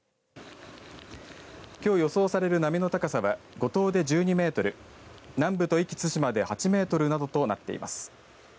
きょう予想される波の高さは五島で１２メートル、南部と壱岐・対馬で８メートルなどとなっています。